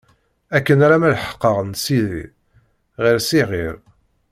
Akken alamma leḥqeɣ- n sidi, ɣer Siɛir.